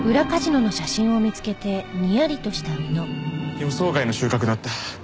予想外の収穫だった。